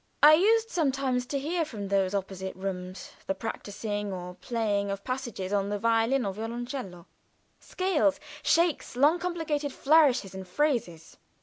I used sometimes to hear from those opposite rooms the practicing or playing of passages on the violin and violoncello scales, shakes, long complicated flourishes and phrases.